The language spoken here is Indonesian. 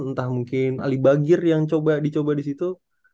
entah mungkin alibagir yang dicoba disitu